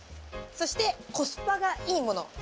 そしてコスパがいいもの。